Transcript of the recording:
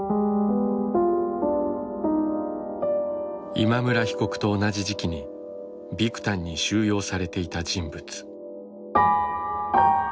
今村被告と同じ時期にビクタンに収容されていた人物。